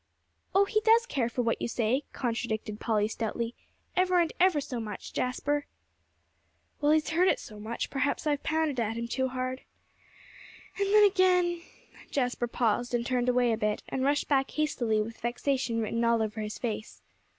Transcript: "Oh, he does care for what you say," contradicted Polly stoutly, "ever and ever so much, Jasper." "Well, he's heard it so much; perhaps I've pounded at him too hard. And then again " Jasper paused, turned away a bit, and rushed back hastily, with vexation written all over his face.